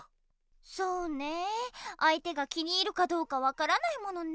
そうねえあいてが気に入るかどうか分からないものね。